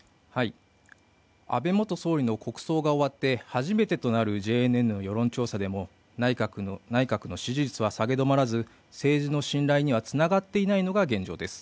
安倍元総理の国葬が終わって初めてとなるＪＮＮの世論調査でも内閣の支持率は下げ止まらず、政治の信頼にはつながっていないのが現状です。